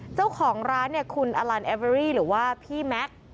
เจ้าของร้านคุณอลันเอเวรี่หรือว่าพี่แม็ก